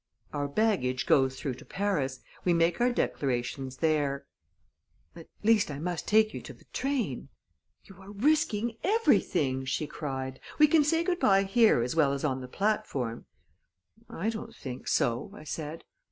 "Our baggage goes through to Paris we make our declarations there." "At least, I must take you to the train." "You are risking everything!" she cried. "We can say good by here as well as on the platform." "I don't think so," I said.